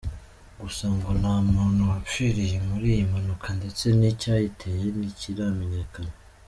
Gusa ngo nta muntu wapfiriye muri iyi mpanuka ndetse n’icyayiteye ntikiramenyekana.